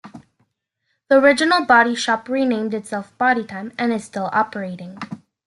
The original Body Shop renamed itself Body Time, and is still operating.